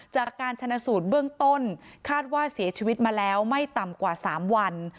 จากการชนะสูตรเบื้องต้นคาดว่าเสียชีวิตมาแล้วไม่ต่ำกว่า๓วัน